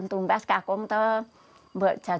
tapi saya sudah berpikir